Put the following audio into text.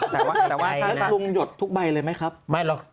แต่ว่าถ้าลุงหยดทุกใบเลยไหมครับ